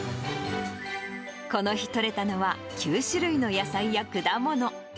この日とれたのは、９種類の野菜や果物。